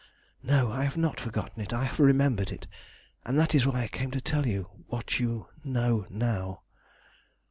"No, I have not forgotten it. I have remembered it, and that is why I came to tell you what you know now."